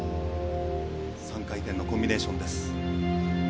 ３回転のコンビネーションです。